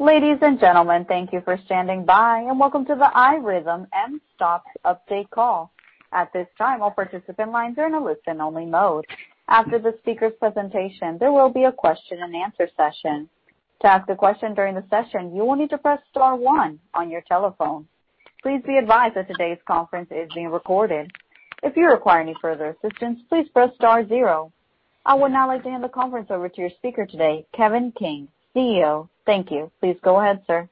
Ladies and gentlemen, thank you for standing by, and welcome to the iRhythm mSToPS Update Call. At this time, all participant lines are in a listen-only mode. After the speaker presentation, there will be a question and answer session. To ask a question during the session, you will need to press star one on your telephone. Please be advised that today's conference is being recorded. If you require any further assistance, please press star zero. I would now like to hand the conference over to your speaker today, Kevin King, CEO. Thank you. Please go ahead, sir.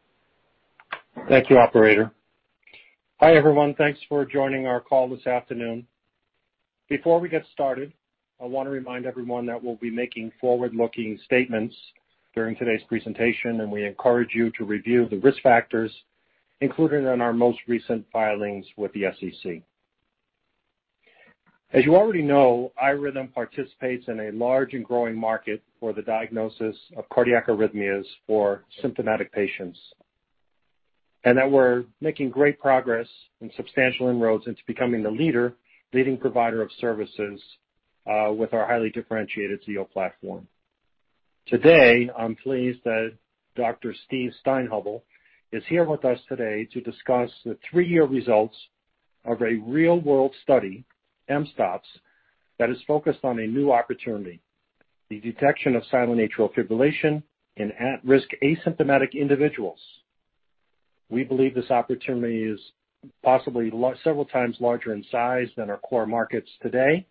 Thank you, operator. Hi, everyone. Thanks for joining our call this afternoon. Before we get started, I want to remind everyone that we'll be making forward-looking statements during today's presentation. We encourage you to review the risk factors included in our most recent filings with the SEC. As you already know, iRhythm participates in a large and growing market for the diagnosis of cardiac arrhythmias for symptomatic patients. We're making great progress and substantial inroads into becoming the leading provider of services with our highly differentiated Zio platform. Today, I'm pleased that Dr. Steve Steinhubl is here with us today to discuss the three-year results of a real-world study, mSToPS, that is focused on a new opportunity, the detection of silent atrial fibrillation in at-risk asymptomatic individuals. We believe this opportunity is possibly several times larger in size than our core markets today.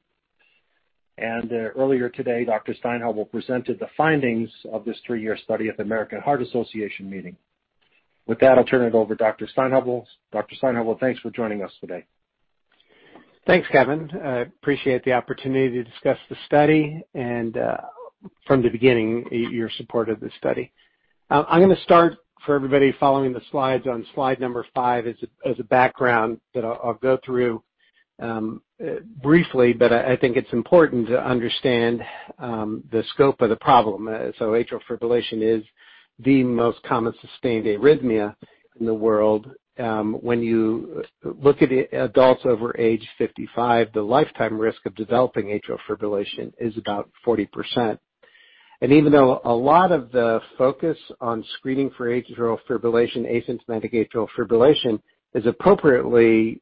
Earlier today, Dr. Steinhubl presented the findings of this three-year study at the American Heart Association meeting. With that, I'll turn it over to Dr. Steinhubl. Dr. Steinhubl, thanks for joining us today. Thanks, Kevin. I appreciate the opportunity to discuss the study and from the beginning, your support of this study. I'm going to start for everybody following the slides on slide number five as a background that I'll go through briefly, but I think it's important to understand the scope of the problem. Atrial fibrillation is the most common sustained arrhythmia in the world. When you look at adults over age 55, the lifetime risk of developing atrial fibrillation is about 40%. Even though a lot of the focus on screening for atrial fibrillation, asymptomatic atrial fibrillation, is appropriately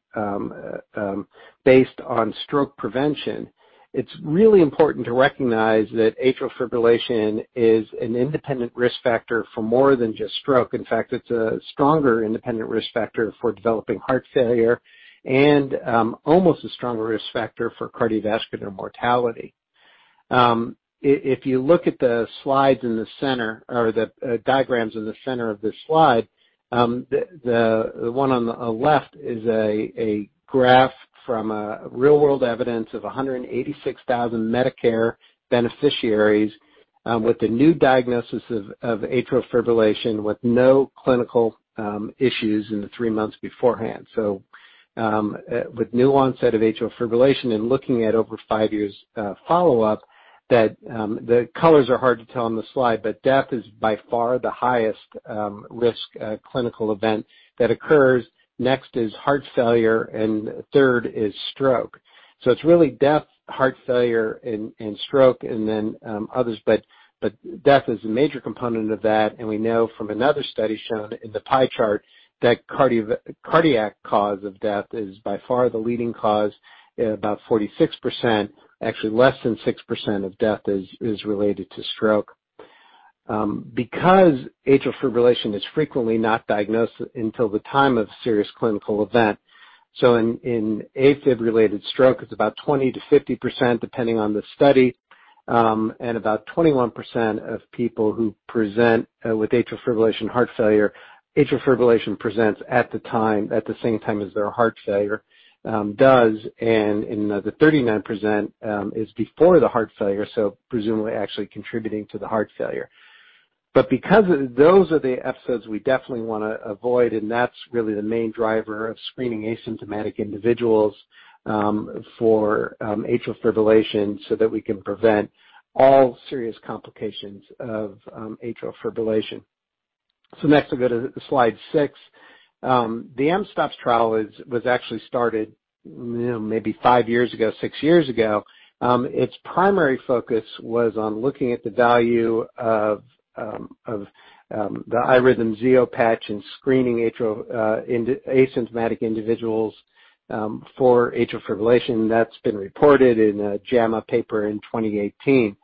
based on stroke prevention, it's really important to recognize that atrial fibrillation is an independent risk factor for more than just stroke. In fact, it's a stronger independent risk factor for developing heart failure and almost a stronger risk factor for cardiovascular mortality. If you look at the slides in the center or the diagrams in the center of this slide, the one on the left is a graph from a real-world evidence of 186,000 Medicare beneficiaries with a new diagnosis of atrial fibrillation with no clinical issues in the three months beforehand. With new onset of atrial fibrillation and looking at over five years follow-up, that the colors are hard to tell on the slide, but death is by far the highest risk clinical event that occurs. Next is heart failure, and third is stroke. It's really death, heart failure, and stroke, and then others. Death is a major component of that, and we know from another study shown in the pie chart that cardiac cause of death is by far the leading cause, about 46%. Actually, less than 6% of death is related to stroke. Atrial fibrillation is frequently not diagnosed until the time of serious clinical event. In AFib-related stroke, it's about 20%-50%, depending on the study. About 21% of people who present with atrial fibrillation heart failure, atrial fibrillation presents at the same time as their heart failure does, and the 39% is before the heart failure, presumably actually contributing to the heart failure. Because those are the episodes we definitely wanna avoid, and that's really the main driver of screening asymptomatic individuals for atrial fibrillation so that we can prevent all serious complications of atrial fibrillation. Next, we'll go to slide six. The mSToPS trial was actually started maybe five years ago, six years ago. Its primary focus was on looking at the value of the iRhythm Zio Patch in screening asymptomatic individuals for atrial fibrillation. That's been reported in a JAMA paper in 2018.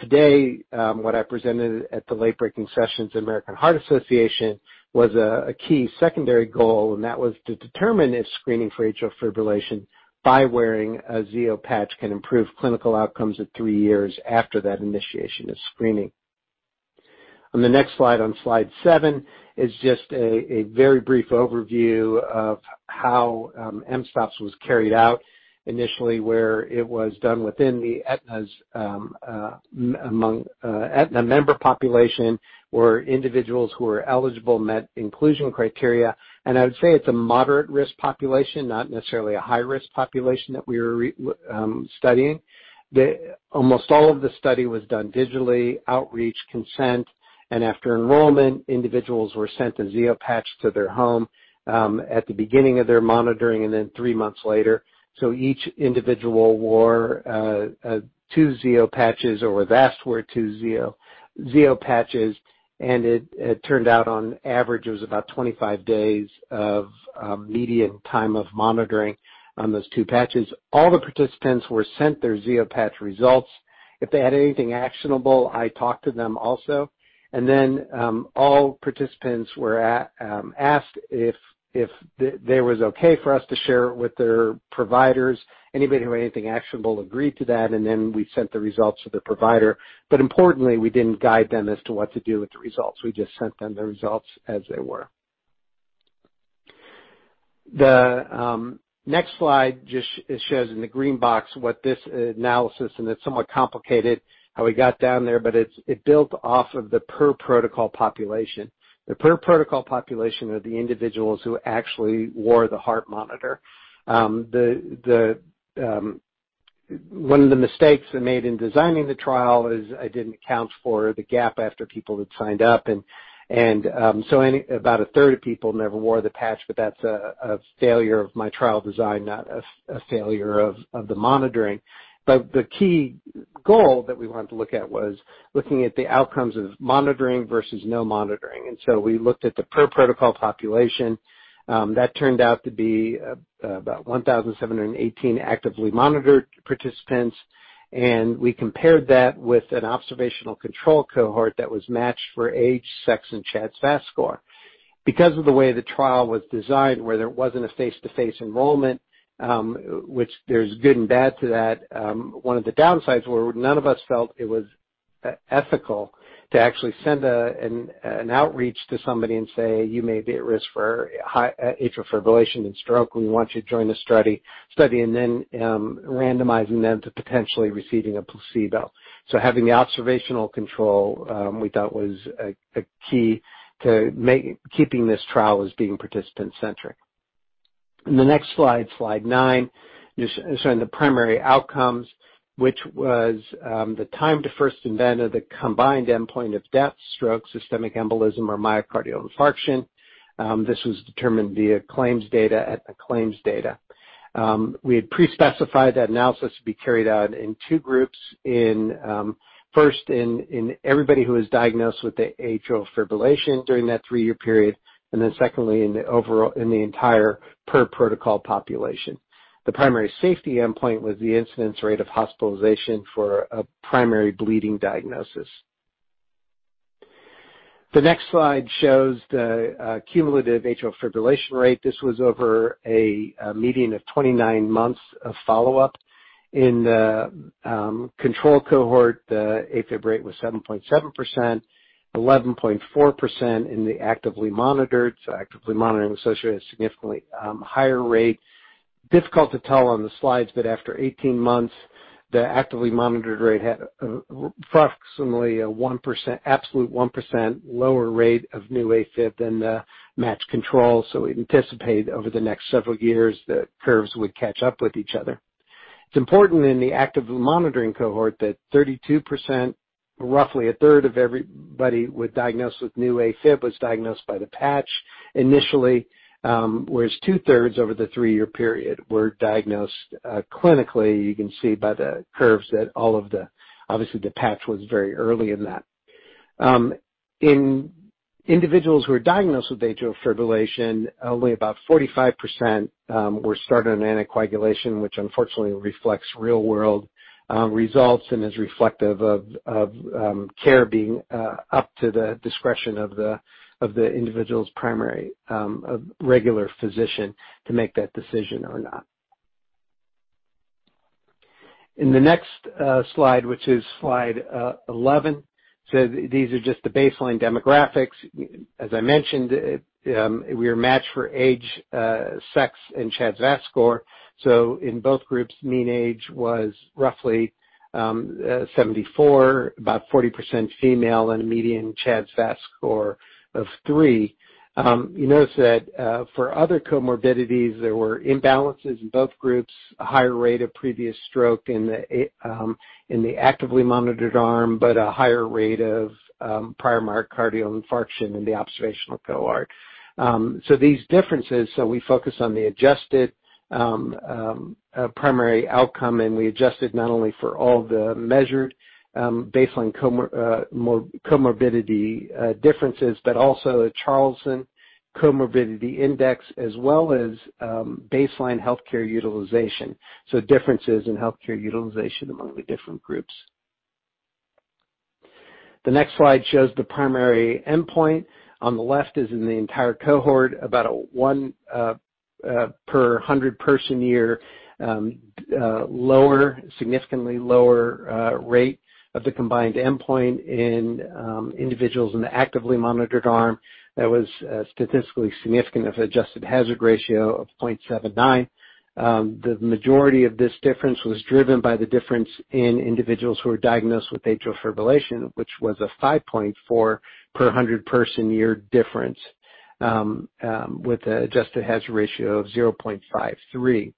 Today, what I presented at the late breaking sessions in American Heart Association was a key secondary goal. That was to determine if screening for atrial fibrillation by wearing a Zio Patch can improve clinical outcomes at three years after that initiation of screening. On the next slide, on slide seven, is just a very brief overview of how mSToPS was carried out initially, where it was done within the Aetna's among Aetna member population or individuals who are eligible met inclusion criteria. I would say it's a moderate risk population, not necessarily a high-risk population that we were studying. Almost all of the study was done digitally, outreach, consent, and after enrollment, individuals were sent a Zio Patch to their home at the beginning of their monitoring and then three months later. Each individual wore two Zio Patches or was asked to wear two Zio Patches, and it turned out on average, it was about 25 days of median time of monitoring on those two Patches. All the participants were sent their Zio Patch results. If they had anything actionable, I talked to them also. All participants were asked if they was okay for us to share with their providers. Anybody who had anything actionable agreed to that, we sent the results to the provider. Importantly, we didn't guide them as to what to do with the results. We just sent them the results as they were. The next slide just shows in the green box what this analysis, and it is somewhat complicated how we got down there, but it built off of the per protocol population. The per protocol population are the individuals who actually wore the heart monitor. One of the mistakes I made in designing the trial is I didn't account for the gap after people had signed up. About 1/3 of people never wore the patch, but that's a failure of my trial design, not a failure of the monitoring. The key goal that we wanted to look at was looking at the outcomes of monitoring versus no monitoring. We looked at the per protocol population. That turned out to be about 1,718 actively monitored participants. We compared that with an observational control cohort that was matched for age, sex, and CHA₂DS₂-VASc score. Because of the way the trial was designed, where there wasn't a face-to-face enrollment, which there's good and bad to that. One of the downsides were none of us felt it was ethical to actually send an outreach to somebody and say, "You may be at risk for atrial fibrillation and stroke. We want you to join the study." And then randomizing them to potentially receiving a placebo. Having the observational control, we thought was a key to keeping this trial as being participant centric. In the next slide nine, showing the primary outcomes, which was the time to first event of the combined endpoint of death, stroke, systemic embolism, or myocardial infarction. This was determined via claims data. We had pre-specified that analysis to be carried out in two groups. First, in everybody who was diagnosed with the atrial fibrillation during that three-year period, and then secondly, in the entire per protocol population. The primary safety endpoint was the incidence rate of hospitalization for a primary bleeding diagnosis. The next slide shows the cumulative atrial fibrillation rate. This was over a median of 29 months of follow-up. In the control cohort, the AFib rate was 7.7%, 11.4% in the actively monitored, so actively monitoring associated a significantly higher rate. Difficult to tell on the slides, but after 18 months, the actively monitored rate had approximately absolute 1% lower rate of new AFib than the match control. We'd anticipate over the next several years that curves would catch up with each other. It's important in the actively monitoring cohort that 32%, roughly 1/3 of everybody was diagnosed with new AFib, was diagnosed by the patch initially. Whereas 2/3 over the three-year period were diagnosed clinically. You can see by the curves that obviously the patch was very early in that. In individuals who were diagnosed with atrial fibrillation, only about 45% were started on anticoagulation, which unfortunately reflects real-world results and is reflective of care being up to the discretion of the individual's primary regular physician to make that decision or not. In the next slide, which is slide 11. These are just the baseline demographics. As I mentioned, we are matched for age, sex, and CHA₂DS₂-VASc score. In both groups, mean age was roughly 74, about 40% female, and a median CHA₂DS₂-VASc score of three. You notice that for other comorbidities, there were imbalances in both groups, a higher rate of previous stroke in the actively monitored arm, but a higher rate of prior myocardial infarction in the observational cohort. These differences, we focus on the adjusted primary outcome, and we adjusted not only for all the measured baseline comorbidity differences, but also a Charlson Comorbidity Index, as well as baseline healthcare utilization. Differences in healthcare utilization among the different groups. The next slide shows the primary endpoint. On the left is in the entire cohort, about a one per 100 person year, lower, significantly lower rate of the combined endpoint in individuals in the actively monitored arm. That was statistically significant of adjusted hazard ratio of 0.79. The majority of this difference was driven by the difference in individuals who were diagnosed with atrial fibrillation, which was a 5.4 per 100 person year difference, with the adjusted hazard ratio of 0.53.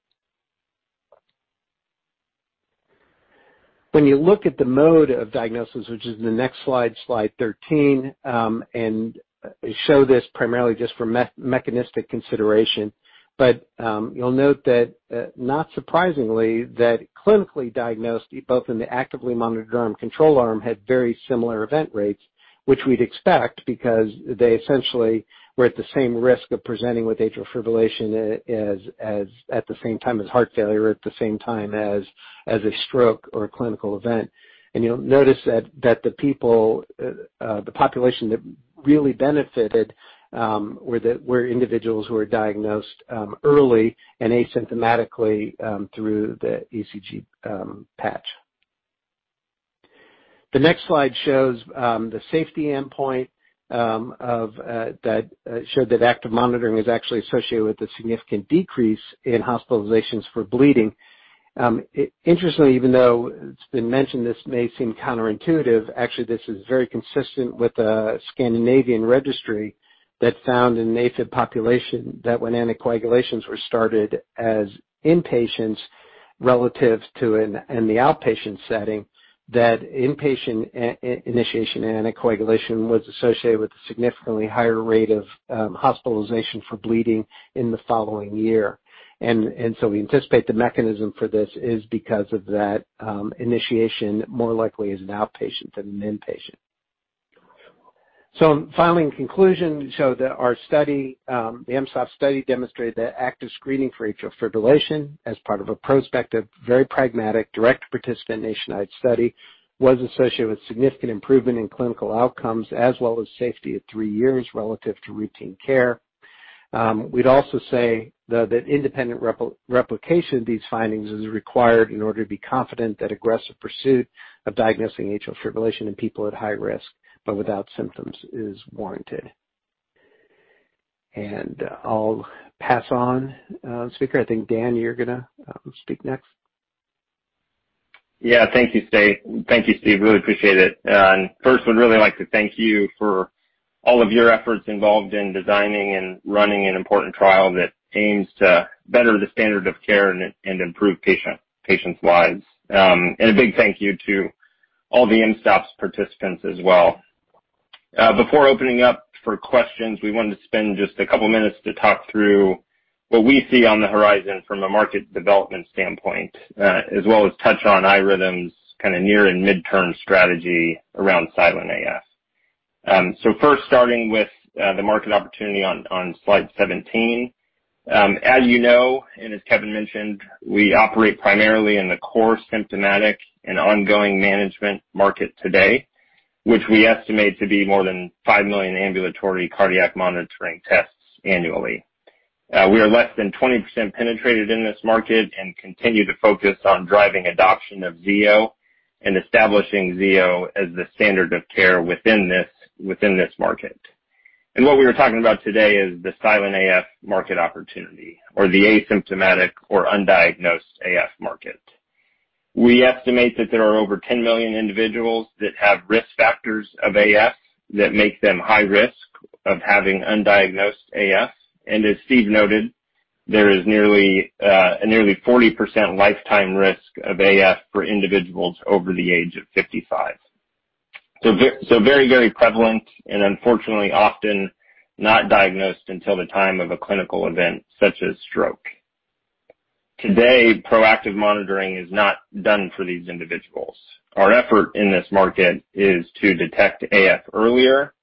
You look at the mode of diagnosis, which is in the next slide 13, and show this primarily just for mechanistic consideration. You'll note that, not surprisingly, that clinically diagnosed, both in the actively monitored arm, control arm, had very similar event rates. We'd expect because they essentially were at the same risk of presenting with atrial fibrillation at the same time as heart failure, at the same time as a stroke or a clinical event. You'll notice that the population that really benefited were individuals who were diagnosed early and asymptomatically through the ECG patch. The next slide shows the safety endpoint that showed that active monitoring was actually associated with a significant decrease in hospitalizations for bleeding. Interestingly, even though it's been mentioned, this may seem counterintuitive. Actually, this is very consistent with a Scandinavian registry that found in a native population that when anticoagulations were started as inpatients relative to in the outpatient setting, that inpatient initiation anticoagulation was associated with a significantly higher rate of hospitalization for bleeding in the following year. We anticipate the mechanism for this is because of that initiation more likely as an outpatient than an inpatient. Finally, in conclusion, our study, the mSToPS study, demonstrated that active screening for atrial fibrillation as part of a prospective, very pragmatic, direct participant nationwide study was associated with significant improvement in clinical outcomes as well as safety at three years relative to routine care. We'd also say, though, that independent replication of these findings is required in order to be confident that aggressive pursuit of diagnosing atrial fibrillation in people at high risk but without symptoms is warranted. I'll pass on. Speaker, I think, Dan, you're going to speak next. Yeah. Thank you, Steve. Really appreciate it. First, would really like to thank you for all of your efforts involved in designing and running an important trial that aims to better the standard of care and improve patients' lives. A big thank you to all the mSToPS participants as well. Before opening up for questions, we wanted to spend just a couple of minutes to talk through what we see on the horizon from a market development standpoint, as well as touch on iRhythm's near and midterm strategy around silent AF. First, starting with the market opportunity on slide 17. As you know, and as Kevin mentioned, we operate primarily in the core symptomatic and ongoing management market today, which we estimate to be more than 5 million ambulatory cardiac monitoring tests annually. We are less than 20% penetrated in this market and continue to focus on driving adoption of Zio and establishing Zio as the standard of care within this market. What we were talking about today is the silent AF market opportunity or the asymptomatic or undiagnosed AF market. We estimate that there are over 10 million individuals that have risk factors of AF that make them high risk of having undiagnosed AF. As Steve noted, there is nearly a 40% lifetime risk of AF for individuals over the age of 55. Very prevalent and unfortunately often not diagnosed until the time of a clinical event such as stroke. Today, proactive monitoring is not done for these individuals. Our effort in this market is to detect AF earlier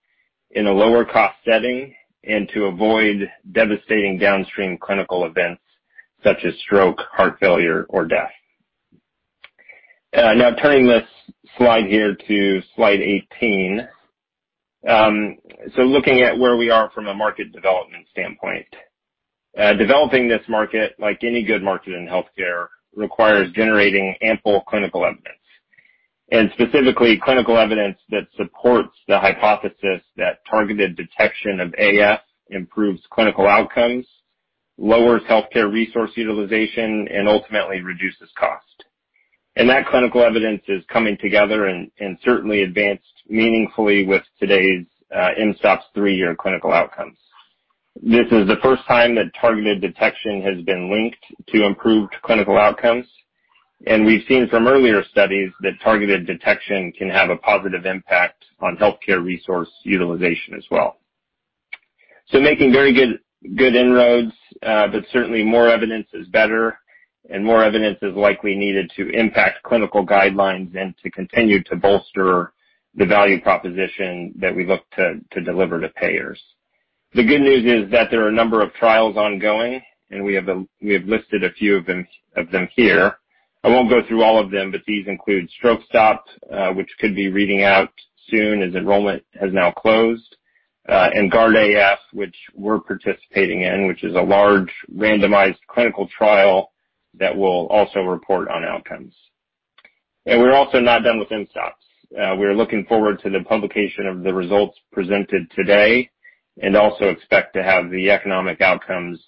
in a lower cost setting and to avoid devastating downstream clinical events such as stroke, heart failure, or death. Turning this slide here to slide 18. Looking at where we are from a market development standpoint. Developing this market, like any good market in healthcare, requires generating ample clinical evidence and specifically clinical evidence that supports the hypothesis that targeted detection of AF improves clinical outcomes, lowers healthcare resource utilization, and ultimately reduces cost. That clinical evidence is coming together and certainly advanced meaningfully with today's mSToPS three-year clinical outcomes. This is the first time that targeted detection has been linked to improved clinical outcomes. We've seen from earlier studies that targeted detection can have a positive impact on healthcare resource utilization as well. Making very good inroads. Certainly more evidence is better and more evidence is likely needed to impact clinical guidelines and to continue to bolster the value proposition that we look to deliver to payers. The good news is that there are a number of trials ongoing, and we have listed a few of them here. I won't go through all of them, but these include STROKESTOP, which could be reading out soon as enrollment has now closed, and GUARD-AF, which we're participating in, which is a large randomized clinical trial that will also report on outcomes. We're also not done with mSToPS. We're looking forward to the publication of the results presented today and also expect to have the economic outcomes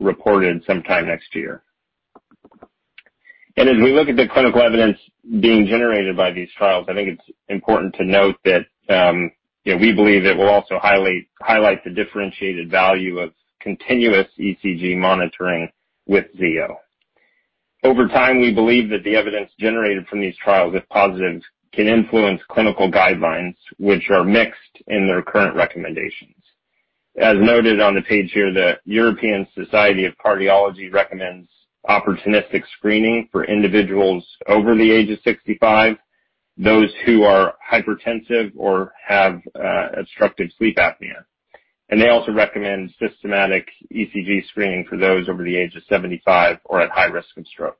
reported sometime next year. As we look at the clinical evidence being generated by these trials, I think it's important to note that we believe it will also highlight the differentiated value of continuous ECG monitoring with Zio. Over time, we believe that the evidence generated from these trials, if positive, can influence clinical guidelines which are mixed in their current recommendations. As noted on the page here, the European Society of Cardiology recommends opportunistic screening for individuals over the age of 65, those who are hypertensive or have obstructive sleep apnea. They also recommend systematic ECG screening for those over the age of 75 or at high risk of stroke.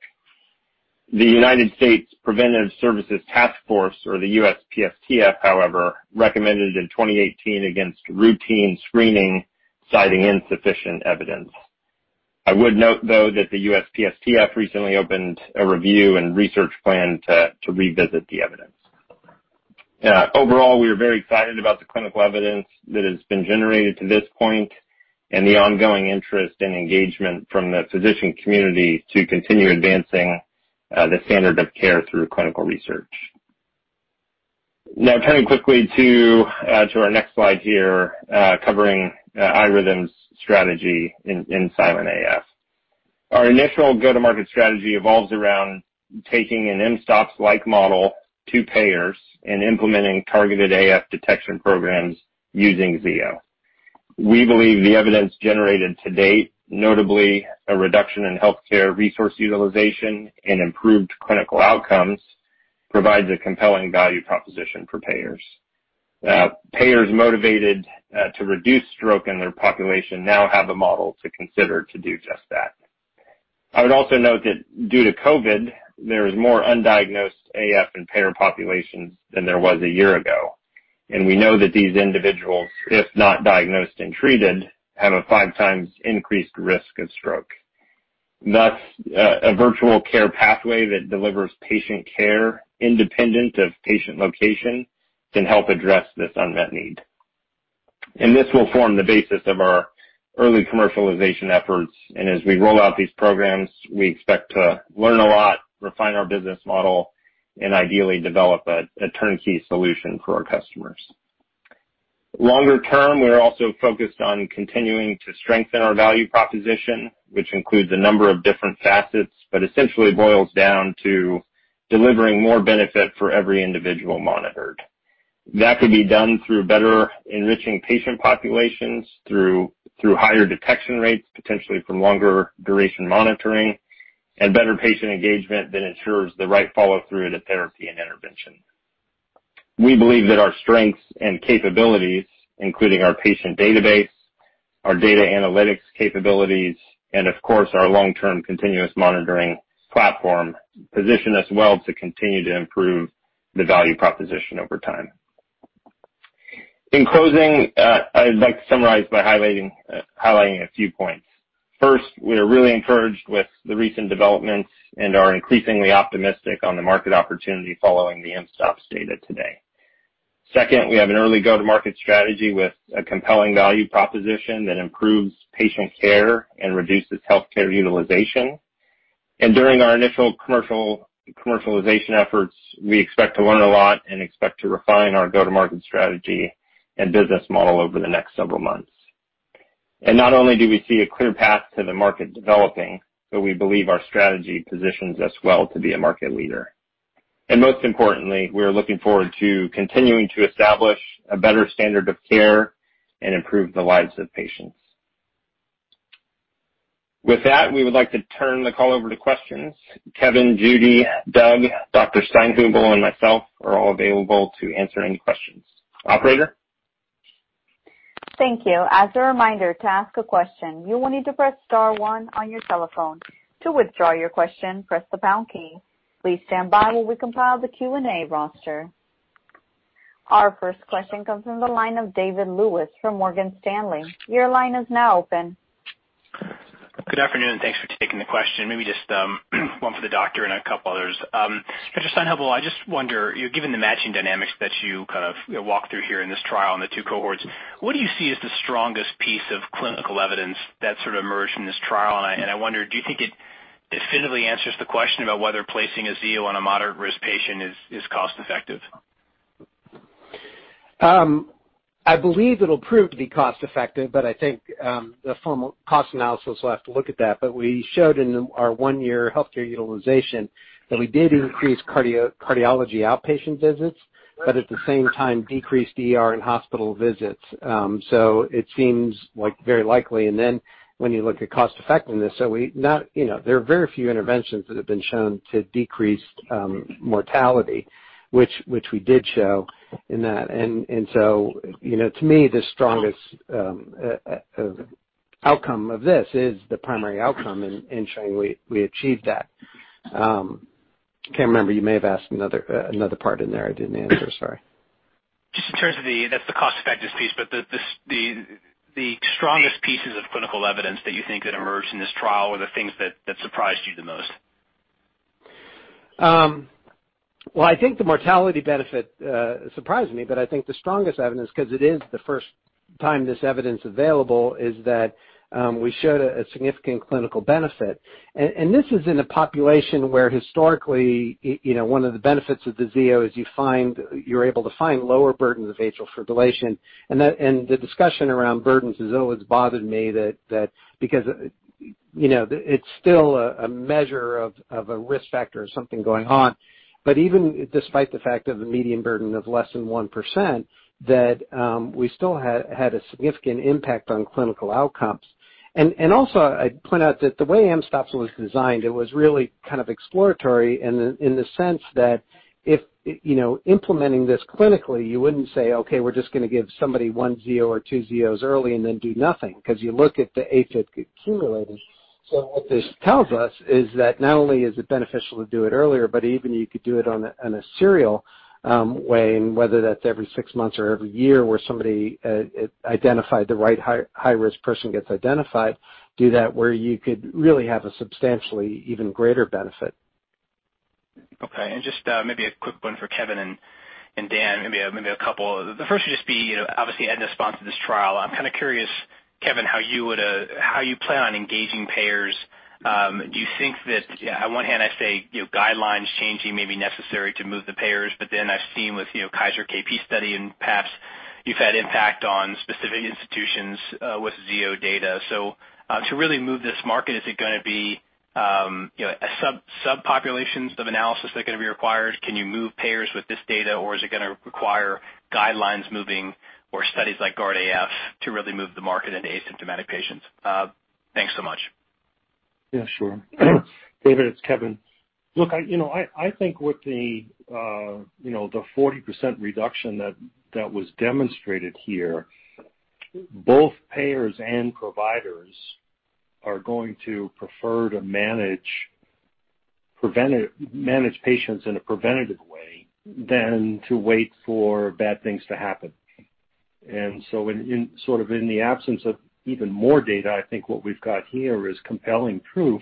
The United States Preventive Services Task Force or the USPSTF, however, recommended in 2018 against routine screening, citing insufficient evidence. I would note, though, that the USPSTF recently opened a review and research plan to revisit the evidence. Overall, we are very excited about the clinical evidence that has been generated to this point and the ongoing interest and engagement from the physician community to continue advancing the standard of care through clinical research. Turning quickly to our next slide here, covering iRhythm's strategy in silent AF. Our initial go-to-market strategy evolves around taking an mSToPS like model to payers and implementing targeted AF detection programs using Zio. We believe the evidence generated to date, notably a reduction in healthcare resource utilization and improved clinical outcomes, provides a compelling value proposition for payers. Payers motivated to reduce stroke in their population now have a model to consider to do just that. I would also note that due to COVID, there's more undiagnosed AF in payer populations than there was a year ago. We know that these individuals, if not diagnosed and treated, have a five times increased risk of stroke. Thus, a virtual care pathway that delivers patient care independent of patient location can help address this unmet need. This will form the basis of our early commercialization efforts. As we roll out these programs, we expect to learn a lot, refine our business model, and ideally develop a turnkey solution for our customers. Longer term, we're also focused on continuing to strengthen our value proposition, which includes a number of different facets, but essentially boils down to delivering more benefit for every individual monitored. That could be done through better enriching patient populations through higher detection rates, potentially from longer duration monitoring, and better patient engagement that ensures the right follow-through to therapy and intervention. We believe that our strengths and capabilities, including our patient database, our data analytics capabilities, and of course, our long-term continuous monitoring platform, position us well to continue to improve the value proposition over time. In closing, I'd like to summarize by highlighting a few points. First, we are really encouraged with the recent developments and are increasingly optimistic on the market opportunity following the mSToPS data today. Second, we have an early go-to-market strategy with a compelling value proposition that improves patient care and reduces healthcare utilization. During our initial commercialization efforts, we expect to learn a lot and expect to refine our go-to-market strategy and business model over the next several months. Not only do we see a clear path to the market developing, but we believe our strategy positions us well to be a market leader. Most importantly, we're looking forward to continuing to establish a better standard of care and improve the lives of patients. With that, we would like to turn the call over to questions. Kevin, Judy, Doug, Dr. Steinhubl, and myself are all available to answer any questions. Operator? Thank you. As a reminder, to ask a question, you will need to press star one on your telephone. To withdraw your question, press the pound key. Please stand by while we compile the Q&A roster. Our first question comes from the line of David Lewis from Morgan Stanley. Your line is now open. Good afternoon. Thanks for taking the question. Maybe just one for the doctor and a couple others. Dr. Steinhubl, I just wonder, given the matching dynamics that you kind of walked through here in this trial and the two cohorts, what do you see as the strongest piece of clinical evidence that sort of emerged from this trial? I wonder, do you think it definitively answers the question about whether placing a Zio on a moderate risk patient is cost-effective? I believe it'll prove to be cost-effective, but I think the formal cost analysis will have to look at that. We showed in our one-year healthcare utilization that we did increase cardiology outpatient visits, but at the same time decreased ER and hospital visits. It seems very likely. When you look at cost effectiveness, there are very few interventions that have been shown to decrease mortality, which we did show in that. To me, the strongest outcome of this is the primary outcome in showing we achieved that. I can't remember. You may have asked another part in there I didn't answer. Sorry. Just in terms of the cost-effectiveness piece, but the strongest pieces of clinical evidence that you think that emerged in this trial or the things that surprised you the most? I think the mortality benefit surprised me, but I think the strongest evidence, because it is the first time this evidence available, is that we showed a significant clinical benefit. This is in a population where historically, one of the benefits of the Zio is you're able to find lower burdens of atrial fibrillation. The discussion around burdens has always bothered me that because it's still a measure of a risk factor of something going on. Even despite the fact of the median burden of less than 1%, that we still had a significant impact on clinical outcomes. Also, I'd point out that the way mSToPS was designed, it was really kind of exploratory in the sense that if implementing this clinically, you wouldn't say, "Okay, we're just going to give somebody one Zio or two Zios early and then do nothing," because you look at the AFib accumulators. What this tells us is that not only is it beneficial to do it earlier, but even you could do it in a serial way, and whether that's every six months or every year where somebody identified the right high-risk person gets identified, do that where you could really have a substantially even greater benefit. Okay. Just maybe a quick one for Kevin and Dan, maybe a couple. The first would just be, obviously Aetna sponsored this trial. I'm kind of curious, Kevin, how you plan on engaging payers. Do you think that on one hand, I say guidelines changing may be necessary to move the payers, but then I've seen with Kaiser KP study and perhaps you've had impact on specific institutions with Zio data. To really move this market, is it going to be a subpopulation of analysis that are going to be required? Can you move payers with this data, or is it going to require guidelines moving or studies like GUARD-AF to really move the market into asymptomatic patients? Thanks so much. Yeah, sure. David, it's Kevin. Look, I think with the 40% reduction that was demonstrated here, both payers and providers are going to prefer to manage patients in a preventative way than to wait for bad things to happen. Sort of in the absence of even more data, I think what we've got here is compelling proof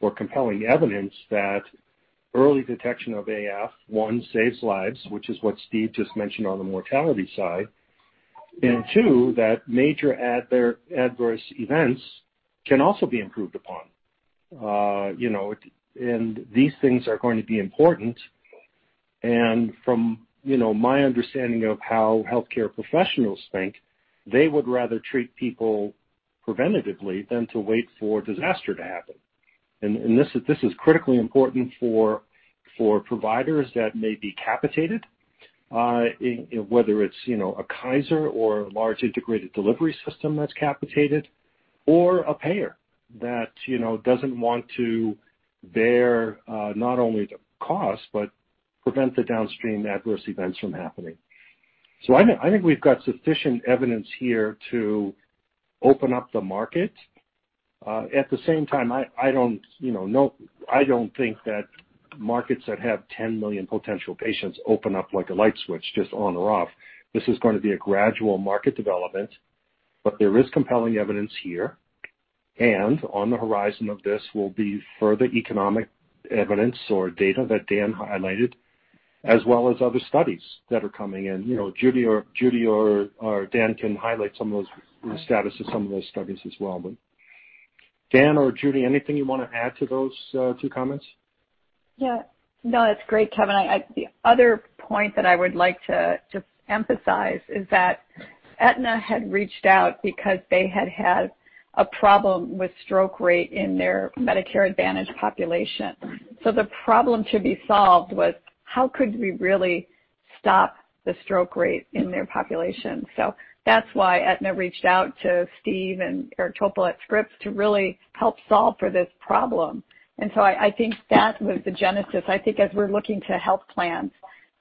or compelling evidence that early detection of AF, one, saves lives, which is what Steve just mentioned on the mortality side. Two, that major adverse events can also be improved upon. These things are going to be important. From my understanding of how healthcare professionals think, they would rather treat people preventatively than to wait for disaster to happen. This is critically important for providers that may be capitated, whether it's a Kaiser or a large integrated delivery system that's capitated or a payer that doesn't want to bear not only the cost but prevent the downstream adverse events from happening. I think we've got sufficient evidence here to open up the market. At the same time, I don't think that markets that have 10 million potential patients open up like a light switch just on or off. This is going to be a gradual market development, but there is compelling evidence here. On the horizon of this will be further economic evidence or data that Dan highlighted, as well as other studies that are coming in. Judy or Dan can highlight some of those status of some of those studies as well. Dan or Judy, anything you want to add to those two comments? Yeah. No, that's great, Kevin. The other point that I would like to just emphasize is that Aetna had reached out because they had had a problem with stroke rate in their Medicare Advantage population. The problem to be solved was how could we really stop the stroke rate in their population. That's why Aetna reached out to Steve and Topol at Scripps to really help solve for this problem. I think that was the genesis. I think as we're looking to health plans,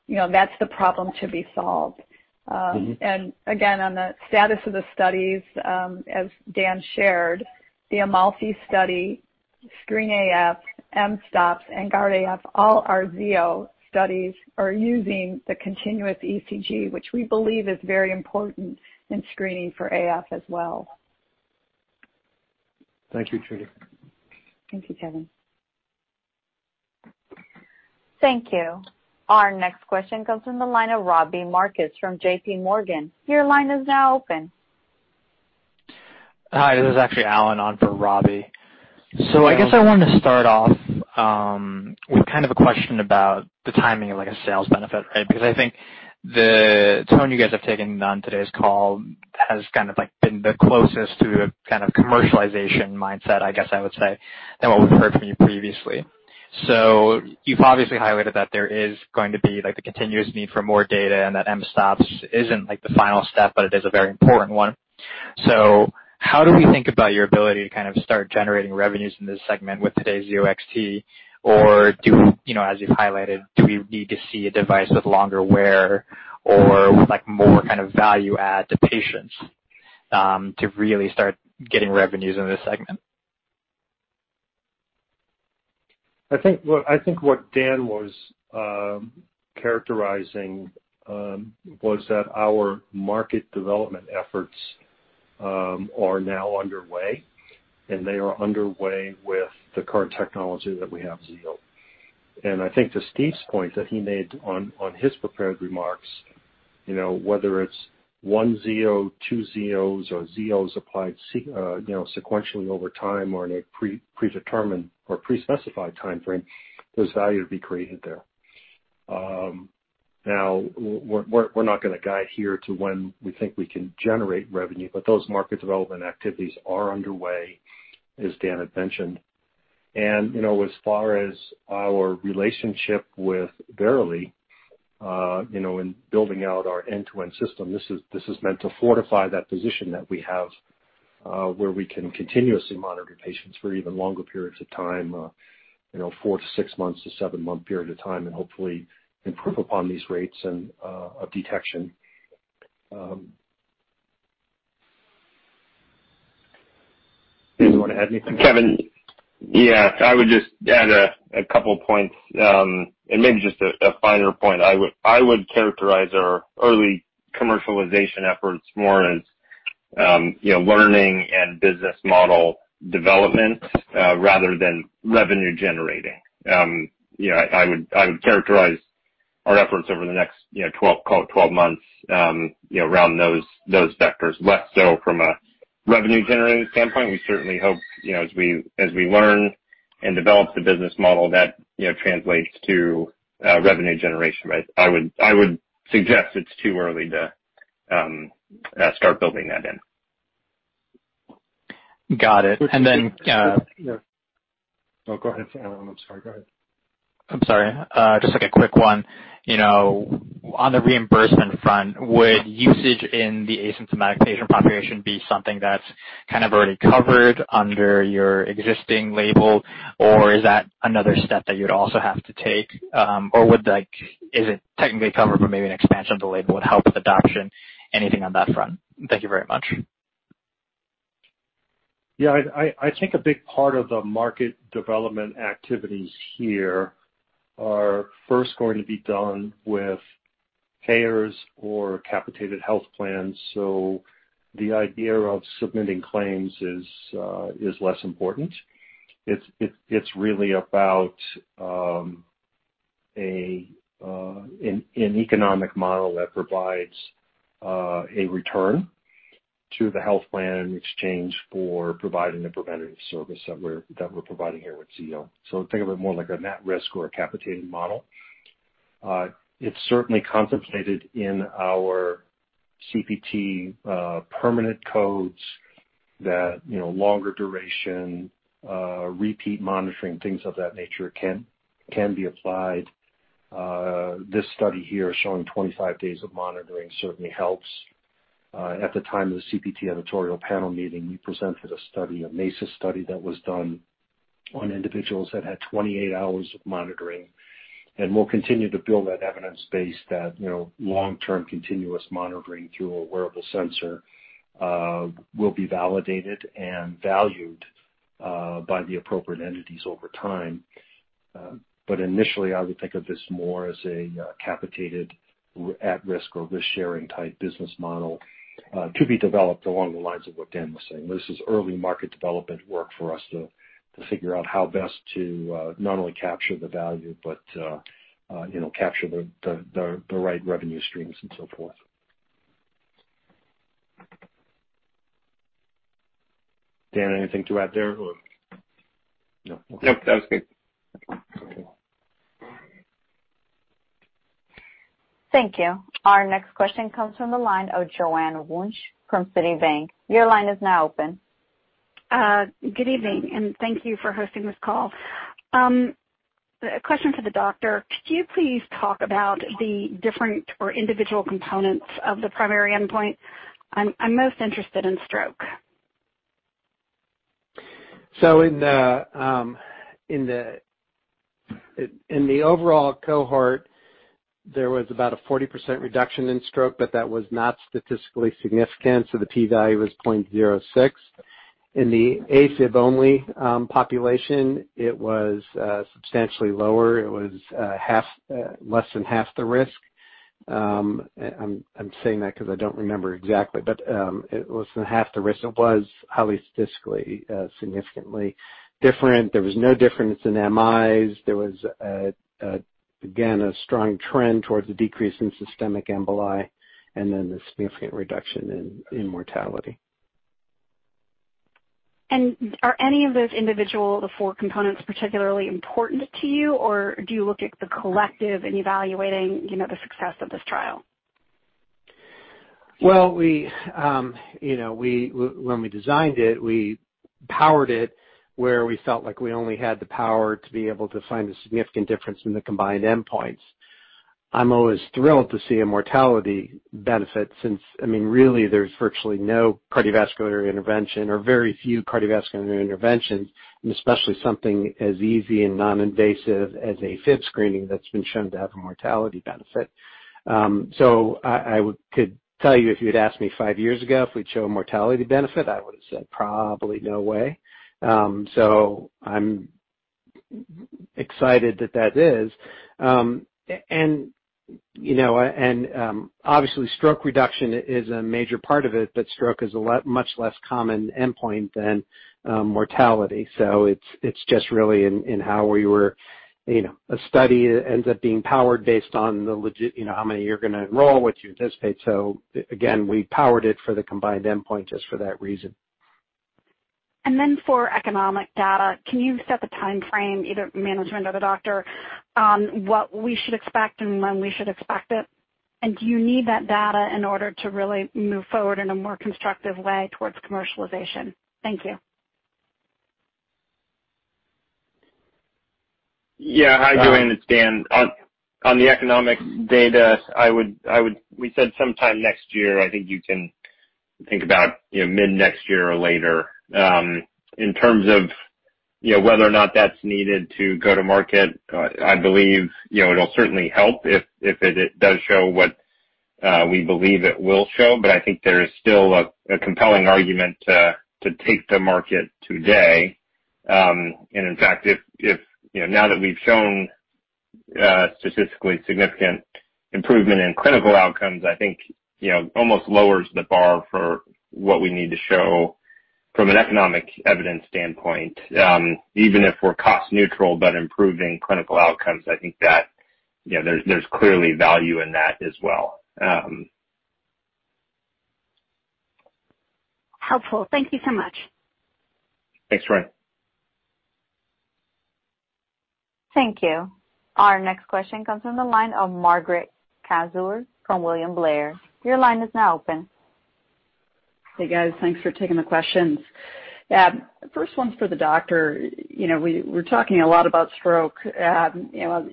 that's the problem to be solved. On the status of the studies, as Dan shared, the AMALFI study, SCREEN-AF, mSToPS, and GUARD-AF all are Zio studies are using the continuous ECG, which we believe is very important in screening for AF as well. Thank you, Judy. Thank you, Kevin. Thank you. Our next question comes from the line of Robbie Marcus from J.P. Morgan. Your line is now open. Hi, this is actually Allen on for Robbie. I guess I wanted to start off with kind of a question about the timing of like a sales benefit, right? I think the tone you guys have taken on today's call has kind of been the closest to a kind of commercialization mindset, I guess I would say, than what we've heard from you previously. You've obviously highlighted that there is going to be the continuous need for more data and that mSToPS isn't like the final step, but it is a very important one. How do we think about your ability to kind of start generating revenues in this segment with today's Zio XT? Do, as you've highlighted, do we need to see a device with longer wear or with more kind of value add to patients to really start getting revenues in this segment? I think what Dan was characterizing was that our market development efforts are now underway. They are underway with the current technology that we have, Zio. I think to Steve's point that he made on his prepared remarks, whether it's one Zio, two Zios or Zios applied sequentially over time or in a predetermined or pre-specified time frame, there's value to be created there. Now, we're not going to guide here to when we think we can generate revenue. Those market development activities are underway, as Dan had mentioned. As far as our relationship with Verily in building out our end-to-end system, this is meant to fortify that position that we have where we can continuously monitor patients for even longer periods of time, four to six months to seven-month period of time, and hopefully improve upon these rates of detection. Steve, you want to add anything? Kevin. Yeah, I would just add a couple points and maybe just a finer point. I would characterize our early commercialization efforts more as learning and business model development rather than revenue generating. I would characterize our efforts over the next 12 months around those vectors, less so from a revenue generating standpoint. We certainly hope, as we learn and develop the business model that translates to revenue generation. I would suggest it's too early to start building that in. Got it. No, go ahead. I'm sorry. Go ahead. I'm sorry. Just like a quick one. On the reimbursement front, would usage in the asymptomatic patient population be something that's kind of already covered under your existing label, or is that another step that you'd also have to take? Is it technically covered, but maybe an expansion of the label would help with adoption? Anything on that front? Thank you very much. Yeah. I think a big part of the market development activities here are first going to be done with payers or capitated health plans. The idea of submitting claims is less important. It's really about an economic model that provides a return to the health plan in exchange for providing a preventative service that we're providing here with Zio. Think of it more like a net risk or a capitated model. It's certainly contemplated in our CPT permanent codes that longer duration, repeat monitoring, things of that nature can be applied. This study here showing 25 days of monitoring certainly helps. At the time of the CPT Editorial Panel meeting, we presented a study, a MESA study that was done on individuals that had 28 hours of monitoring, and we'll continue to build that evidence base that long-term continuous monitoring through a wearable sensor will be validated and valued by the appropriate entities over time. Initially, I would think of this more as a capitated at-risk or risk-sharing type business model to be developed along the lines of what Dan was saying. This is early market development work for us to figure out how best to not only capture the value, but capture the right revenue streams and so forth. Dan, anything to add there or no? Nope. That was good. Okay. Thank you. Our next question comes from the line of Joanne Wuensch from Citi. Your line is now open. Good evening, and thank you for hosting this call. A question for the doctor. Could you please talk about the different or individual components of the primary endpoint? I'm most interested in stroke. In the overall cohort, there was about a 40% reduction in stroke, but that was not statistically significant. The P value was 0.06. In the AFib-only population, it was substantially lower. It was less than half the risk. I'm saying that because I don't remember exactly, but it was half the risk, and it was highly statistically significantly different. There was no difference in MIs. There was, again, a strong trend towards a decrease in systemic emboli and then a significant reduction in mortality. Are any of those individual, the four components, particularly important to you, or do you look at the collective in evaluating the success of this trial? Well, when we designed it, we powered it where we felt like we only had the power to be able to find a significant difference in the combined endpoints. I'm always thrilled to see a mortality benefit since, really, there's virtually no cardiovascular intervention or very few cardiovascular interventions, and especially something as easy and non-invasive as AFib screening that's been shown to have a mortality benefit. I could tell you if you'd asked me five years ago if we'd show a mortality benefit, I would've said probably no way. I'm excited that that is. Obviously stroke reduction is a major part of it, but stroke is a much less common endpoint than mortality. A study ends up being powered based on how many you're going to enroll, what you anticipate. Again, we powered it for the combined endpoint just for that reason. For economic data, can you set the timeframe, either management or the doctor, on what we should expect and when we should expect it? Do you need that data in order to really move forward in a more constructive way towards commercialization? Thank you. Yeah. Hi, Joanne, it's Dan. On the economic data, we said sometime next year. I think you can think about mid next year or later. In terms of whether or not that's needed to go to market, I believe it'll certainly help if it does show what we believe it will show. I think there is still a compelling argument to take to market today. In fact, now that we've shown statistically significant improvement in clinical outcomes, I think, almost lowers the bar for what we need to show from an economic evidence standpoint. Even if we're cost neutral but improving clinical outcomes, I think that there's clearly value in that as well. Helpful. Thank you so much. Thanks, Wuensch. Thank you. Our next question comes from the line of Margaret Kaczor from William Blair. Your line is now open. Hey, guys. Thanks for taking the questions. First one's for the doctor. We're talking a lot about stroke.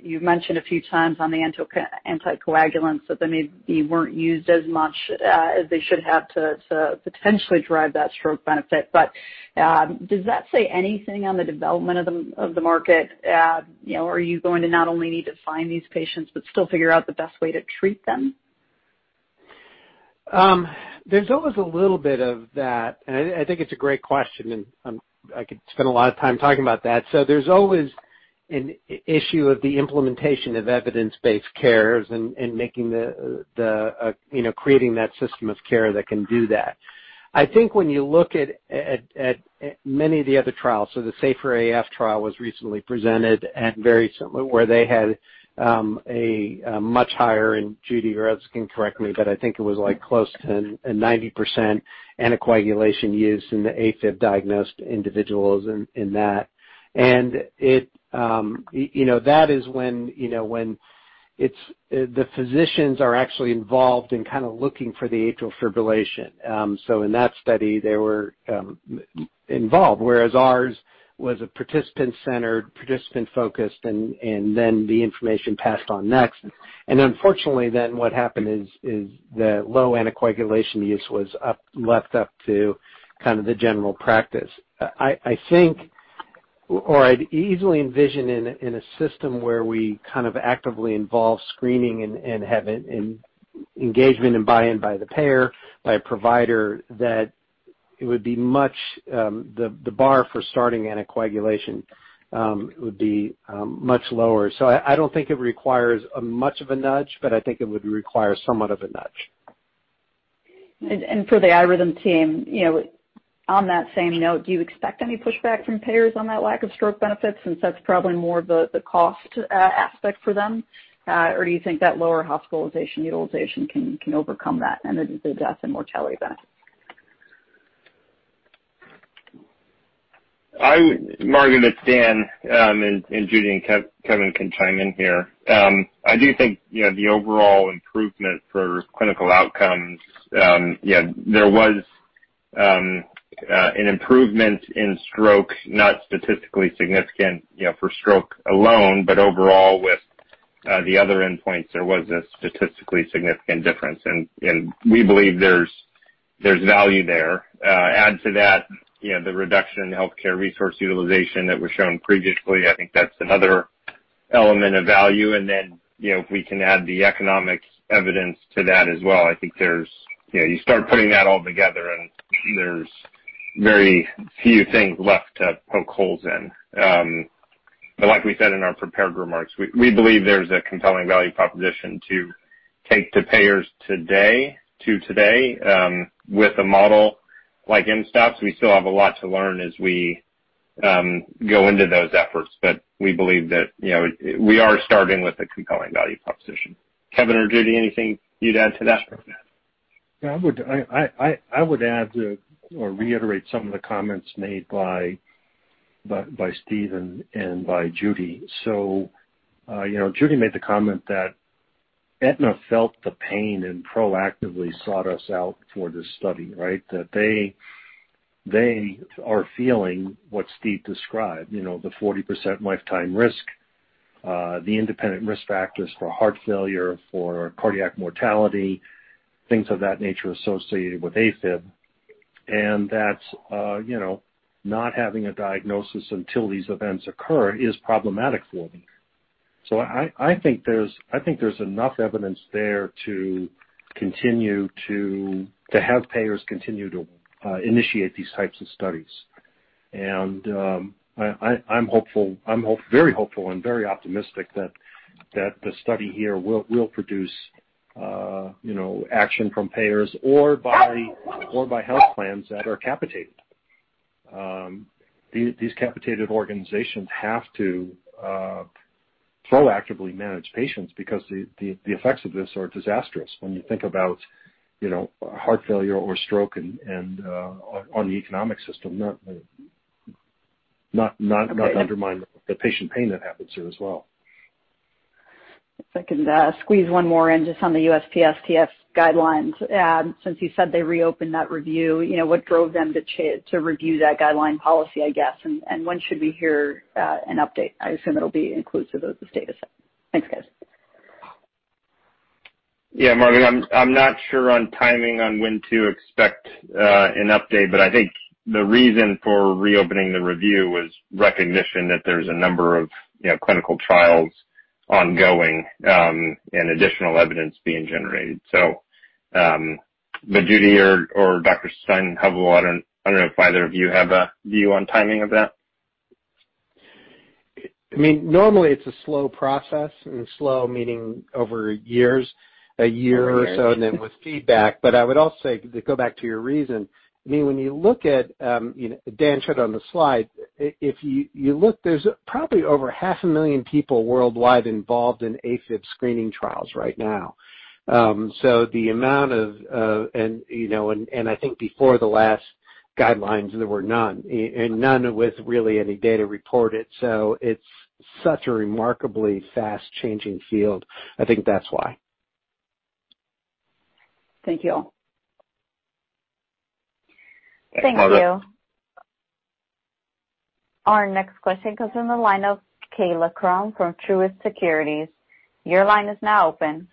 You've mentioned a few times on the anticoagulants that they maybe weren't used as much as they should have to potentially drive that stroke benefit. Does that say anything on the development of the market? Are you going to not only need to find these patients but still figure out the best way to treat them? There's always a little bit of that, and I think it's a great question, and I could spend a lot of time talking about that. There's always an issue of the implementation of evidence-based cares and creating that system of care that can do that. I think when you look at many of the other trials, so the SAFE-AF trial was recently presented and very similar, where they had a much higher, and Judy or can correct me, but I think it was close to a 90% anticoagulation use in the AFib diagnosed individuals in that. That is when the physicians are actually involved in looking for the atrial fibrillation. In that study, they were involved, whereas ours was a participant-centered, participant-focused and then the information passed on next. Unfortunately, then what happened is the low anticoagulation use was left up to the general practice. I think, or I'd easily envision in a system where we actively involve screening and have engagement and buy-in by the payer, by provider, that the bar for starting anticoagulation would be much lower. I don't think it requires much of a nudge, but I think it would require somewhat of a nudge. For the iRhythm team, on that same note, do you expect any pushback from payers on that lack of stroke benefits since that's probably more the cost aspect for them? Or do you think that lower hospitalization utilization can overcome that and the death and mortality benefit? Margaret, it's Dan, and Judy and Kevin can chime in here. I do think the overall improvement for clinical outcomes, there was an improvement in stroke, not statistically significant for stroke alone, but overall with the other endpoints, there was a statistically significant difference. We believe there's value there. Add to that the reduction in healthcare resource utilization that was shown previously. I think that's another element of value. If we can add the economic evidence to that as well, you start putting that all together and there's very few things left to poke holes in. Like we said in our prepared remarks, we believe there's a compelling value proposition to take to payers today. With a model like STROKESTOP, we still have a lot to learn as we go into those efforts. We believe that we are starting with a compelling value proposition. Kevin or Judy, anything you'd add to that? I would add to or reiterate some of the comments made by Steve and by Judy. Judy made the comment that Aetna felt the pain and proactively sought us out for this study, right? They are feeling what Steve described. The 40% lifetime risk. The independent risk factors for heart failure, for cardiac mortality, things of that nature associated with AFib. Not having a diagnosis until these events occur is problematic for them. I think there's enough evidence there to have payers continue to initiate these types of studies. I'm very hopeful and very optimistic that the study here will produce action from payers or by health plans that are capitated. These capitated organizations have to proactively manage patients because the effects of this are disastrous when you think about heart failure or stroke and on the economic system. Not to undermine the patient pain that happens there as well. If I can squeeze one more in just on the USPSTF guidelines. Since you said they reopened that review, what drove them to review that guideline policy, I guess? When should we hear an update? I assume it'll be inclusive of this data set. Thanks, guys. Yeah, Margaret, I'm not sure on timing on when to expect an update, but I think the reason for reopening the review was recognition that there's a number of clinical trials ongoing and additional evidence being generated. Judy or Dr. Steinhubl, I don't know if either of you have a view on timing of that. Normally it's a slow process and slow meaning over years, a year or so. Over a year. With feedback. I would also say, to go back to your reason, when you look at, Dan showed on the slide, if you look, there's probably over 500,00 people worldwide involved in AFib screening trials right now. The amount of, and I think before the last guidelines, there were none, and none with really any data reported. It's such a remarkably fast-changing field. I think that's why. Thank you all. Margaret? Thank you. Our next question comes from the line of Kaila Krum from Truist Securities. Your line is now open.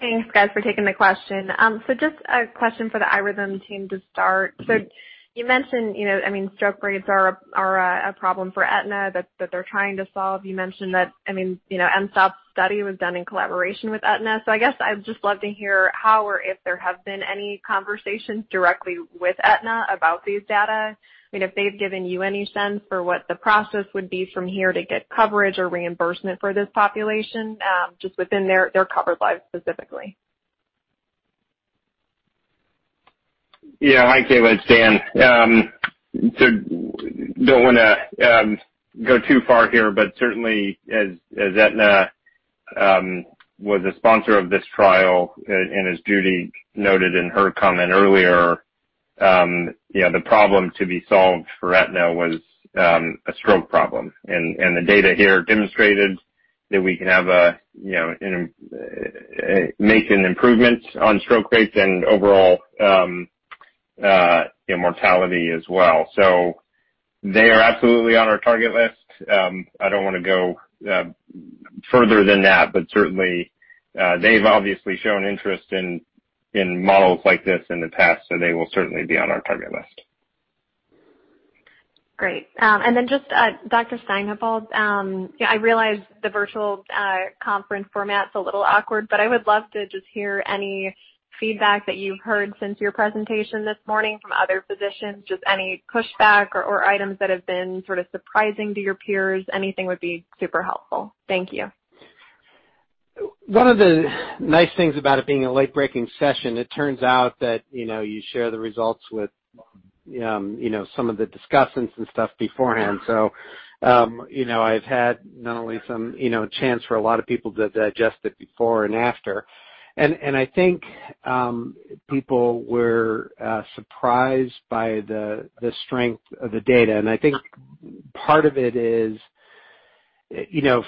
Thanks, guys, for taking the question. Just a question for the iRhythm team to start. You mentioned stroke rates are a problem for Aetna that they're trying to solve. You mentioned that mSToPS study was done in collaboration with Aetna. I guess I'd just love to hear how or if there have been any conversations directly with Aetna about these data, if they've given you any sense for what the process would be from here to get coverage or reimbursement for this population, just within their covered lives specifically. Yeah. Hi, Kaila, it's Dan. Don't want to go too far here, but certainly as Aetna was a sponsor of this trial, and as Judy noted in her comment earlier, the problem to be solved for Aetna was a stroke problem. The data here demonstrated that we can make an improvement on stroke rates and overall mortality as well. They are absolutely on our target list. I don't want to go further than that, but certainly, they've obviously shown interest in models like this in the past, so they will certainly be on our target list. Great. Just, Dr. Steinhubl, I realize the virtual conference format's a little awkward, but I would love to just hear any feedback that you've heard since your presentation this morning from other physicians. Just any pushback or items that have been sort of surprising to your peers. Anything would be super helpful. Thank you. One of the nice things about it being a late-breaking session, it turns out that you share the results with some of the discussants and stuff beforehand. I've had not only some chance for a lot of people to digest it before and after. I think people were surprised by the strength of the data. I think part of it is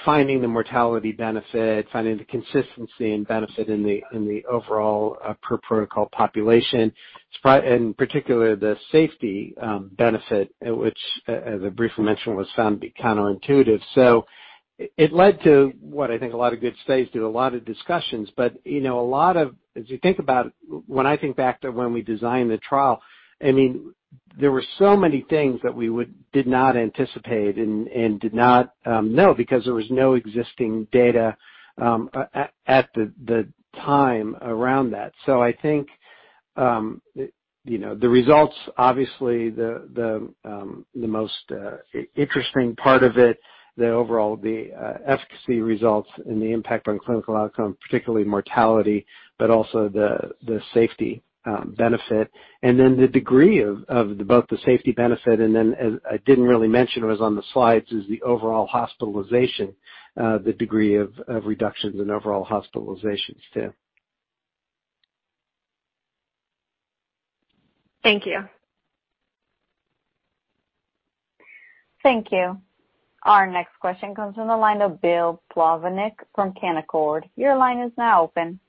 finding the mortality benefit, finding the consistency and benefit in the overall per-protocol population, and particularly the safety benefit, which, as I briefly mentioned, was found to be counterintuitive. It led to what I think a lot of good studies do, a lot of discussions. As you think about it, when I think back to when we designed the trial, there were so many things that we did not anticipate and did not know because there was no existing data at the time around that. I think the results, obviously the most interesting part of it, the overall efficacy results and the impact on clinical outcome, particularly mortality, but also the safety benefit and then the degree of both the safety benefit and then as I didn't really mention was on the slides, is the overall hospitalization, the degree of reductions in overall hospitalizations too. Thank you. Thank you. Our next question comes from the line of Bill Plovanic from Canaccord. Your line is now open.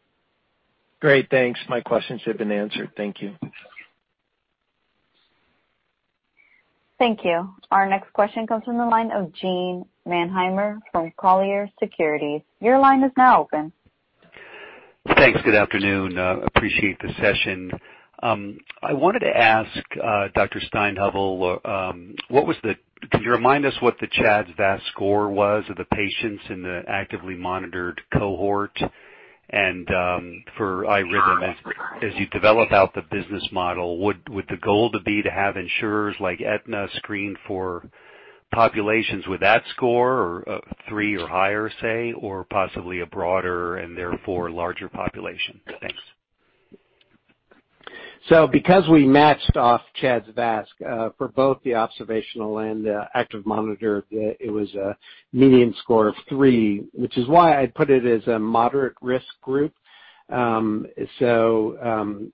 Great. Thanks. My questions have been answered. Thank you. Thank you. Our next question comes from the line of Gene Mannheimer from Colliers Securities. Your line is now open. Thanks. Good afternoon. Appreciate the session. I wanted to ask Dr. Steinhubl, can you remind us what the CHA₂DS₂-VASc score was of the patients in the actively monitored cohort? For iRhythm as you develop out the business model, would the goal to be to have insurers like Aetna screen for populations with that score or three or higher, say, or possibly a broader and therefore larger population? Thanks. Because we matched off CHA₂DS₂-VASc for both the observational and the active monitor, it was a median score of three, which is why I put it as a moderate risk group. If you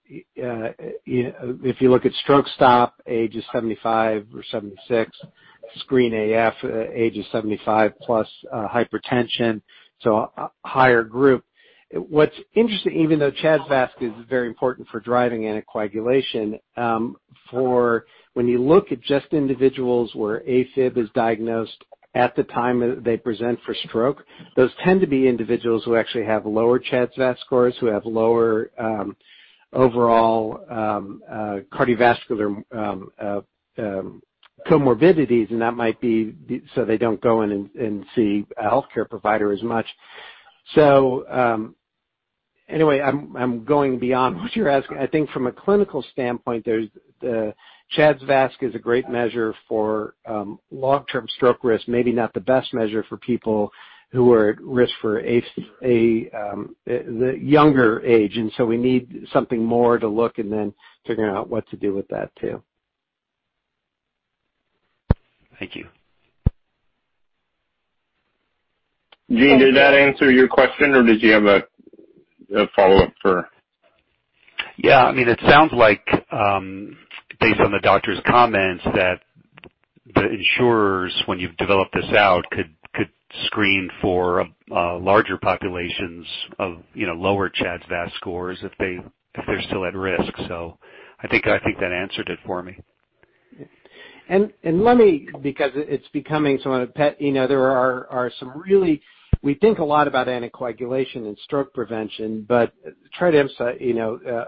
look at STROKESTOP ages 75 or 76, SCREEN-AF ages 75 plus hypertension, a higher group. What's interesting, even though CHA₂DS₂-VASc is very important for driving anticoagulation, for when you look at just individuals where AFib is diagnosed at the time they present for stroke, those tend to be individuals who actually have lower CHA₂DS₂-VASc scores who have lower overall cardiovascular comorbidities, and that might be so they don't go in and see a healthcare provider as much. Anyway, I'm going beyond what you're asking. I think from a clinical standpoint, the CHA₂DS₂-VASc is a great measure for long-term stroke risk. Maybe not the best measure for people who are at risk for the younger age. We need something more to look and then figuring out what to do with that too. Thank you. Gene, did that answer your question or did you have a follow-up for? Yeah. It sounds like, based on the doctor's comments, that the insurers, when you've developed this out, could screen for larger populations of lower CHA₂DS₂-VASc scores if they're still at risk. I think that answered it for me. Let me. There are some really, we think a lot about anticoagulation and stroke prevention, but try to emphasize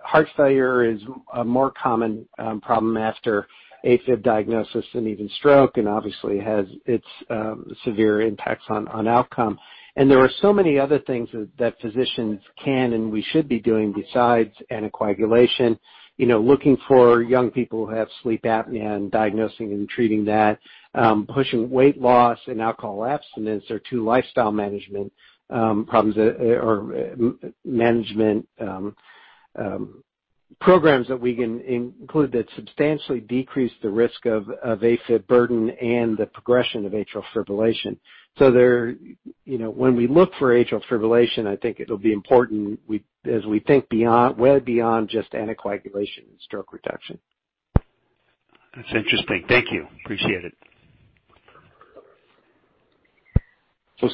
heart failure is a more common problem after AFib diagnosis than even stroke, and obviously has its severe impacts on outcome. There are so many other things that physicians can and we should be doing besides anticoagulation. Looking for young people who have sleep apnea and diagnosing and treating that, pushing weight loss and alcohol abstinence are two lifestyle management problems or management programs that we can include that substantially decrease the risk of AFib burden and the progression of atrial fibrillation. When we look for atrial fibrillation, I think it'll be important as we think way beyond just anticoagulation and stroke reduction. That's interesting. Thank you. Appreciate it.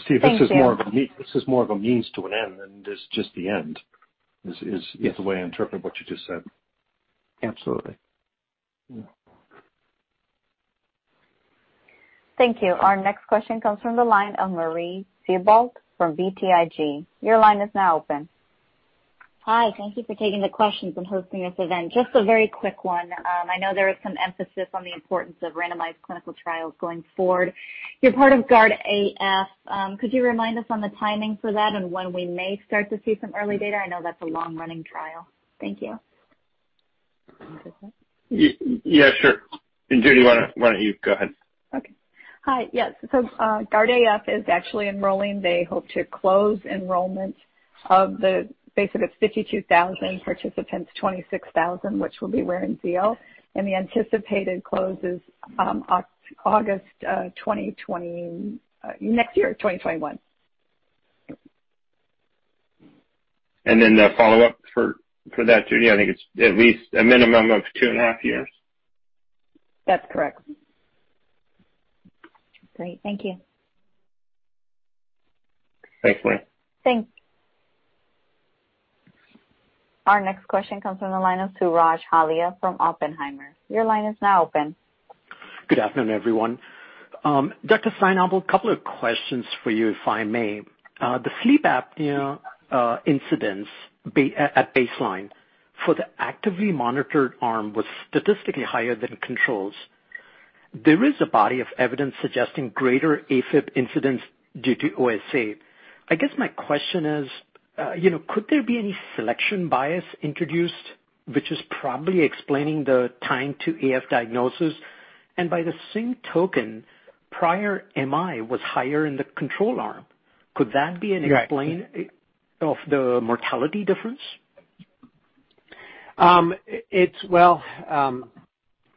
Steve. Thanks, Gene. This is more of a means to an end than just the end, is the way I interpret what you just said. Absolutely. Yeah. Thank you. Our next question comes from the line of Marie Thibault from BTIG. Your line is now open. Hi. Thank you for taking the questions and hosting this event. Just a very quick one. I know there is some emphasis on the importance of randomized clinical trials going forward. You're part of GUARD AF. Could you remind us on the timing for that and when we may start to see some early data? I know that's a long-running trial. Thank you. Yeah, sure. Judy, why don't you go ahead? Okay. Hi. Yes. GUARD-AF is actually enrolling. They hope to close enrollment, basically it's 52,000 participants, 26,000 which will be wearing Zio, the anticipated close is August next year, 2021. The follow-up for that, Judy, I think it's at least a minimum of 2.5 years. That's correct. Great. Thank you. Thanks, Marie. Thanks. Our next question comes from the line of Suraj Kalia from Oppenheimer. Your line is now open. Good afternoon, everyone. Dr. Steinhubl, a couple of questions for you, if I may. The sleep apnea incidence at baseline for the actively monitored arm was statistically higher than controls. There is a body of evidence suggesting greater AFib incidence due to OSA. I guess my question is, could there be any selection bias introduced which is probably explaining the time to AF diagnosis? By the same token, prior MI was higher in the control arm- Right explanation of the mortality difference? Well,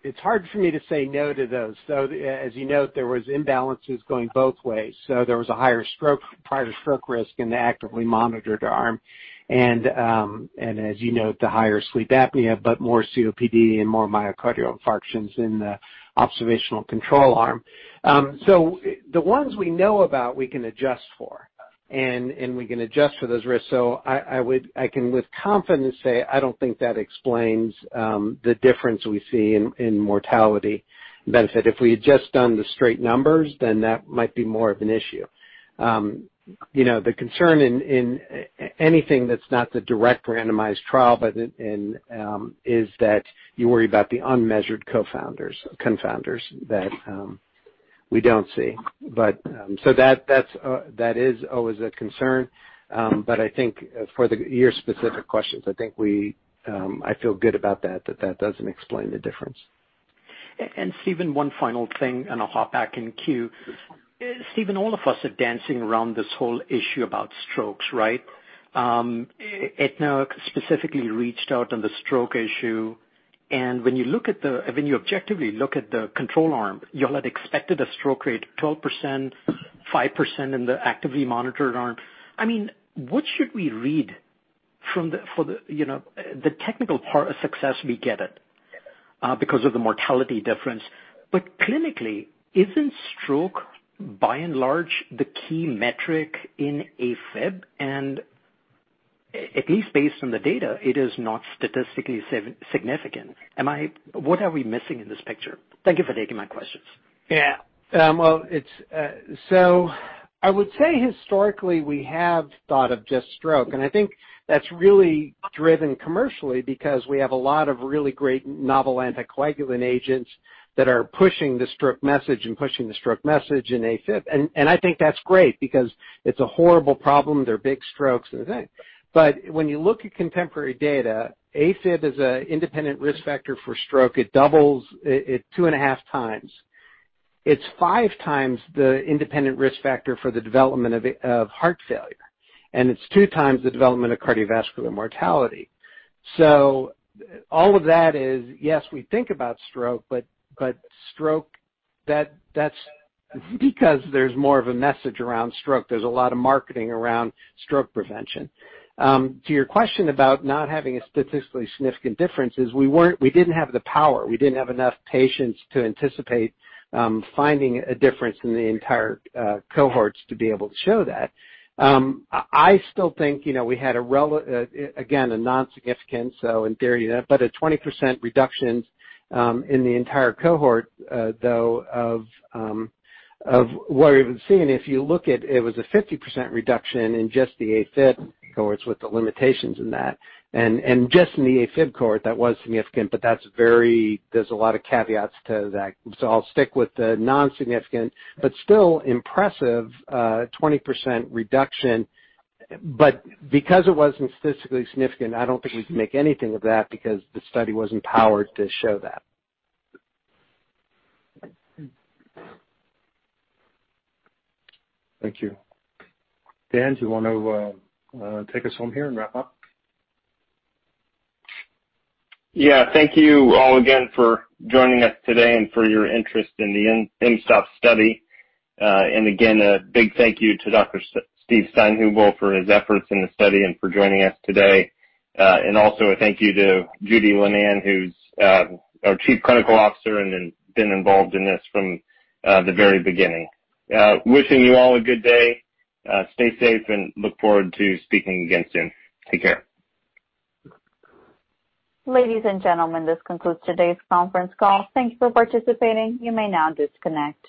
it's hard for me to say no to those. As you note, there was imbalances going both ways. There was a higher stroke, prior to stroke risk in the actively monitored arm. As you note, the higher sleep apnea, but more COPD and more myocardial infarctions in the observational control arm. The ones we know about, we can adjust for. We can adjust for those risks. I can with confidence say, I don't think that explains the difference we see in mortality benefit. If we had just done the straight numbers, then that might be more of an issue. The concern in anything that's not the direct randomized trial is that you worry about the unmeasured confounders that we don't see. That is always a concern, but I think for your specific questions, I feel good about that that doesn't explain the difference. Steven, one final thing, and I'll hop back in queue. Steven, all of us are dancing around this whole issue about strokes, right? Aetna specifically reached out on the stroke issue. When you objectively look at the control arm, you all had expected a stroke rate 12%, 5% in the actively monitored arm. What should we read? The technical part of success, we get it, because of the mortality difference. Clinically, isn't stroke by and large the key metric in AFib? At least based on the data, it is not statistically significant. What are we missing in this picture? Thank you for taking my questions. Yeah. Well, I would say historically we have thought of just stroke, and I think that's really driven commercially because we have a lot of really great novel anticoagulant agents that are pushing the stroke message and pushing the stroke message in AFib. I think that's great because it's a horrible problem. They're big strokes. When you look at contemporary data, AFib is an independent risk factor for stroke. It doubles it 2.5x. It's 5x the independent risk factor for the development of heart failure, and it's 2x the development of cardiovascular mortality. All of that is, yes, we think about stroke, that's because there's more of a message around stroke. There's a lot of marketing around stroke prevention. To your question about not having a statistically significant difference is we didn't have the power. We didn't have enough patients to anticipate finding a difference in the entire cohorts to be able to show that. I still think we had, again, a non-significant, so inferior to that, but a 20% reduction in the entire cohort, though, of what we've been seeing. If you look at it was a 50% reduction in just the AFib cohorts with the limitations in that. Just in the AFib cohort, that was significant, but there's a lot of caveats to that. I'll stick with the non-significant but still impressive 20% reduction. Because it wasn't statistically significant, I don't think we can make anything of that because the study wasn't powered to show that. Thank you. Dan, do you want to take us home here and wrap up? Yeah. Thank you all again for joining us today and for your interest in the mSToPS study. Again, a big thank you to Dr. Steve Steinhubl for his efforts in the study and for joining us today. Also a thank you to Judy Lenane, who's our Chief Clinical Officer and been involved in this from the very beginning. Wishing you all a good day. Stay safe, and look forward to speaking again soon. Take care. Ladies and gentlemen, this concludes today's conference call. Thank you for participating. You may now disconnect.